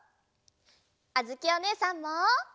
あづきおねえさんも。